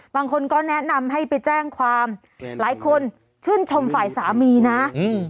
บางคนก็แนะนำให้ไปแจ้งความหลายคนชื่นชมฝ่ายสามีนะอืม